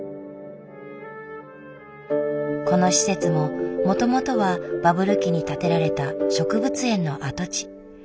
この施設ももともとはバブル期に建てられた植物園の跡地。